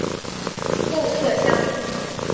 贡麝香。